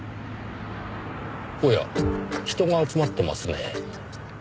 おや人が集まってますねぇ。